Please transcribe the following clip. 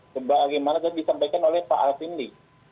ya bagaimana tadi disampaikan oleh pak alfindi